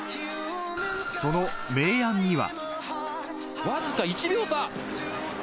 その明暗には。